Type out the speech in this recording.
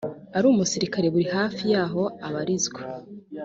ari umusirikare buri hafi y aho abarizwa